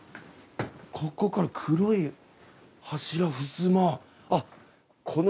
ここから黒い柱ふすま。